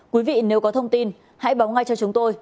quý vị nếu có thông tin hãy báo ngay cho chúng tôi